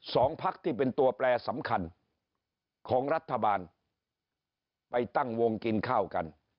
พักที่เป็นตัวแปรสำคัญของรัฐบาลไปตั้งวงกินข้าวกัน